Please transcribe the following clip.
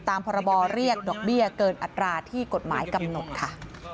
พรบเรียกดอกเบี้ยเกินอัตราที่กฎหมายกำหนดค่ะ